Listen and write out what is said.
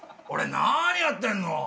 俺何やってんの！？